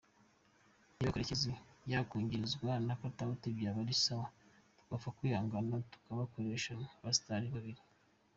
Niba Karekezi yakungirizwa na Katauti byaba ari sawa twapfa kwihangana tukabakoresha nkabastar babiri.